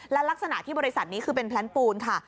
และลักษณะที่บริษัทนี้คือเป็นแพลนปูนค่ะ